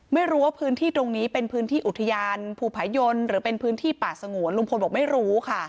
ไม่รู้ว่าพื้นที่ตรงนี้เป็นพื้นที่อุทยานภูผายนหรือเป็นพื้นที่ป่าสงวนลุงพลบอกไม่รู้ค่ะ